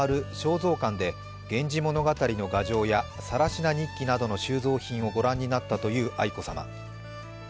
蔵館で「源氏物語」の画帖や「更級日記」などの収蔵品を御覧になったという愛子さま。